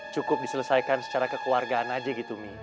cukup diselesaikan secara kekeluargaan aja gitu mi